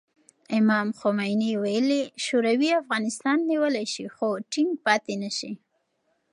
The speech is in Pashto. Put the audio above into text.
امام خمیني ویلي، شوروي افغانستان نیولی شي خو ټینګ پاتې نه شي.